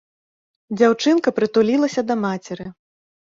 Дзяўчынка прытулілася да мацеры.